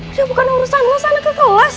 udah bukan urusan gue sana ke kelas